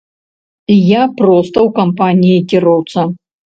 І я проста ў кампаніі кіроўца.